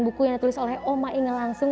buku yang ditulis oleh oma ingin langsung